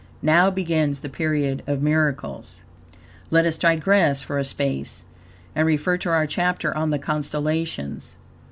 Now begins the period of miracles. Let us digress for a space, and refer to our chapter on the constellations.